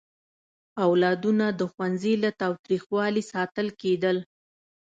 اولادونه د ښوونځي له تاوتریخوالي ساتل کېدل.